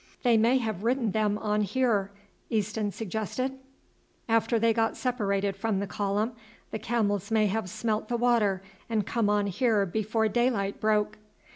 "They may have ridden them on here," Easton suggested; "after they got separated from the column the camels may have smelt the water and come on here before daylight broke."